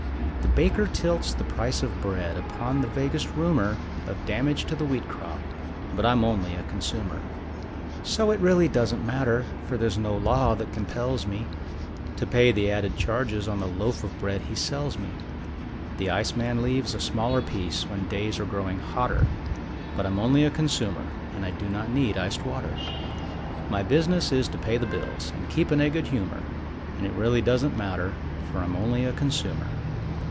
The baker tilts the price of bread upon the vaguest rumor Of damage to the wheat crop, but I'm only a consumer, So it really doesn't matter, for there's no law that compells me To pay the added charges on the loaf of bread he sells me. The iceman leaves a smaller piece when days are growing hotter, But I'm only a consumer, and I do not need iced water: My business is to pay the bills and keep in a good humor, And it really doesn't matter, for I'm only a consumer.